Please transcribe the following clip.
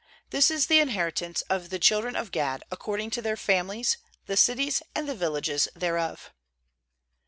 28This is the inheritance of the children of Gad according to their families, the cities and the villages thereof.